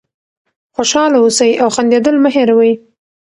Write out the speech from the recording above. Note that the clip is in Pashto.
خوشحاله اوسئ او خندېدل مه هېروئ.